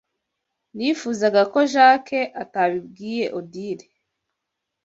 Nifuzaga ko Jack atabibwiye Odile.